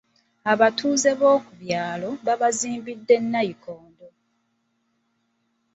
Abatuuze b'oku kyalo baabazimbidde nnayikondo.